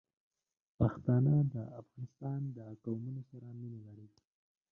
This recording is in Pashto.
پښتانه د افغانستان د قومونو سره مینه لري.